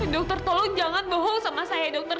dokter tolong jangan bohong sama saya dokter